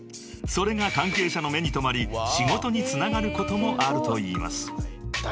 ［それが関係者の目に留まり仕事につながることもあるといいます］